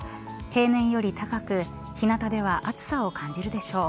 平年より高く日なたでは暑さを感じるでしょう。